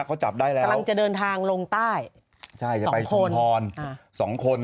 เขาจับได้แล้วกำลังจะเดินทางลงใต้ใช่จะไปชุมพรสองคน